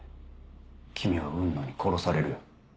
君は雲野に殺されるよ。